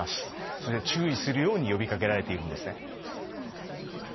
それに注意するように呼びかけられているんですね。